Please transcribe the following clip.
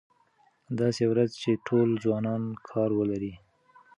داسې ورځ چې ټول ځوانان کار ولري.